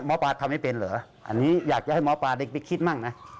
หมอปลาทำให้เป็นเหรออันนี้อยากจะให้หมอปลาเด็กไปคิดมั่งนะ